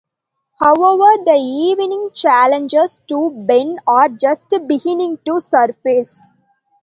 However, the evening's challenges to Ben are just beginning to surface.